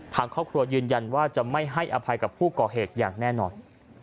ทางครอบครัวยืนยันว่าจะไม่ให้อภัยกับผู้ก่อเหตุอย่างแน่นอน